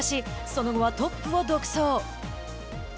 その後はトップを独走。